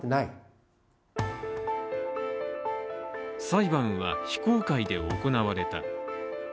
裁判は非公開で行われた。